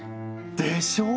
でしょう？